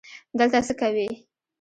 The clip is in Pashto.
دلته څه کوې؟